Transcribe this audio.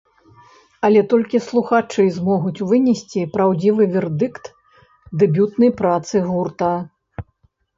Але толькі слухачы змогуць вынесці праўдзівы вердыкт дэбютнай працы гурта.